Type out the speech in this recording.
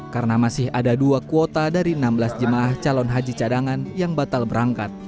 karena masih ada dua kuota dari enam belas jemaah calon haji cadangan yang batal berangkat